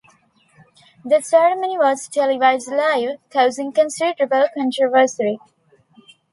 The ceremony was televised live, causing considerable controversy.